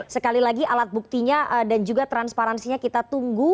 sekali lagi alat buktinya dan juga transparansinya kita tunggu